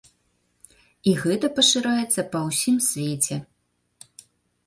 І гэта пашыраецца па ўсім свеце.